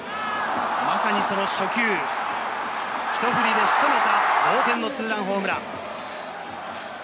まさにその初球、ひと振りで仕留めた同点のツーランホームラン。